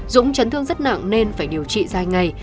dũng chấn thương rất nặng nên phải điều trị dài ngày